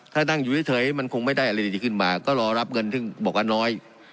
ถ้านั่งอยู่เฉยมันคงไม่ได้อะไรดีขึ้นมาก็รอรับเงินซึ่งบอกว่าน้อย